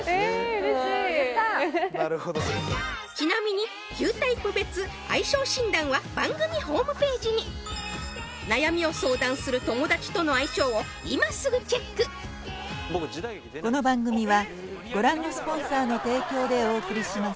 うれしいちなみに９タイプ別相性診断は番組ホームページに悩みを相談する友達との相性を今すぐチェック世界初！